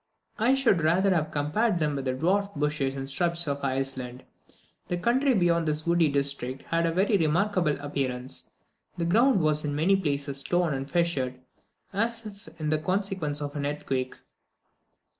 I should rather have compared them with the dwarfed bushes and shrubs of Iceland. The country beyond this woody district had a very remarkable appearance; the ground was in many places torn and fissured, as if in consequence of an earthquake.